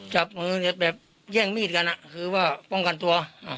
จับมือเนี่ยแบบแย่งมีดกันคือว่าป้องกันตัว